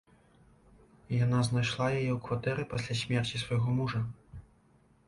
Яна знайшла яе ў кватэры пасля смерці свайго мужа.